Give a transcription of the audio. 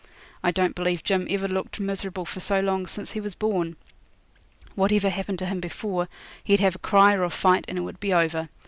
I don't believe Jim ever looked miserable for so long since he was born. Whatever happened to him before he'd have a cry or a fight, and it would be over.